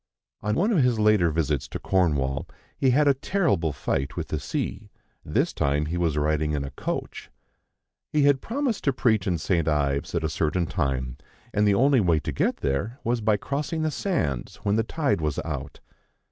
On one of his later visits to Cornwall, he had a terrible fight with the sea; this time he was riding in a coach. He had promised to preach in St. Ives at a certain time, and the only way to get there was by crossing the sands when the tide was out.